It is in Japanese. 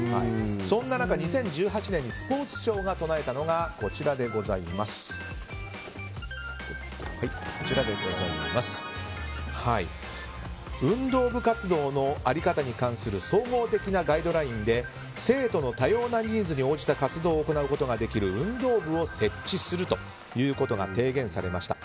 そんな中、２０１８年にスポーツ庁が唱えたのが「運動部活動の在り方に関する総合的なガイドライン」で生徒の多様なニーズに応じた活動を行うことができる運動部を設置するということが提言されました。